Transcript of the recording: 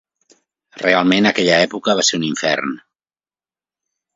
Realment aquella època va ser un infern.